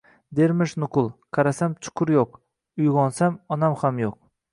dermish nuqul. Qarasam, chuqur yo'q. Uyg'onsam, onam ham yo'q...